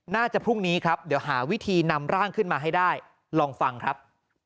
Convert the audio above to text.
น่าจะพรุ่งนี้ครับเดี๋ยวหาวิธีนำร่างขึ้นมาให้ได้ลองฟังครับ